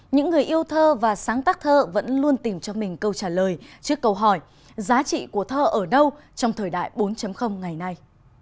những người yêu thơ và sáng tác thơ vẫn luôn tìm cho mình câu trả lời trước câu hỏi giá trị của thơ ở đâu trong thời đại bốn ngày nay